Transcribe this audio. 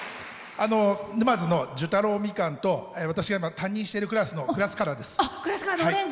沼津の寿太郎ミカンと私が今、担任しているクラスのクラスカラーです。